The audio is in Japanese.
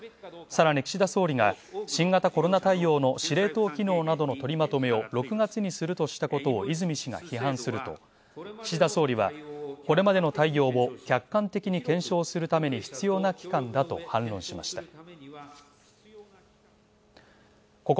さらに岸田総理が新型コロナ対応の司令塔機能などのとりまとめを６月にするとしたことを泉氏が批判すると岸田総理はこれまでの対応を客観的に検証するために必要な期間だと反論しました。